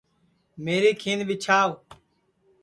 میری کھیند ٻیچھاو